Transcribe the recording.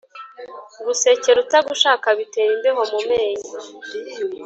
Gusekera utagushaka bitera imbeho mu menyo.